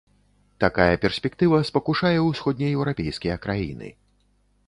Такая перспектыва спакушае ўсходнееўрапейскія краіны.